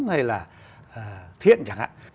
hay là thiện chẳng hạn